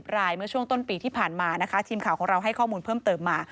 รายเมื่อช่วงต้นปีที่ผ่านมานะคะทีมข่าวของเราให้ข้อมูลเพิ่มเติมมา